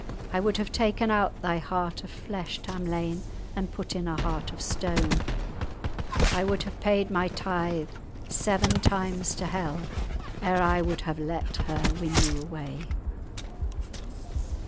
I would have taken out thy heart of flesh, Tamlane, and put in a heart of stone. I would have paid my tithe seven times to hell ere I would have let her win you away."